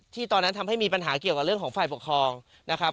ตอนนั้นทำให้มีปัญหาเกี่ยวกับเรื่องของฝ่ายปกครองนะครับ